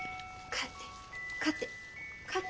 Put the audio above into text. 勝て勝て勝て。